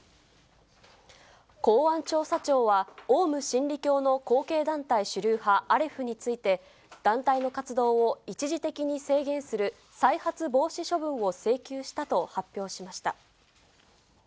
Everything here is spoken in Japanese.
公安調査庁は、オウム真理教の後継団体主流派、アレフについて、団体の活動を一時的に制限する再発防止処分を請求したと発表しました。